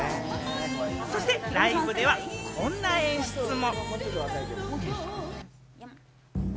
そしてライブでは、こんな演出も。